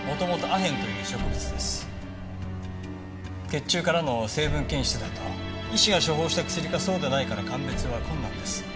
血中からの成分検出だと医師が処方した薬かそうでないかの鑑別は困難です。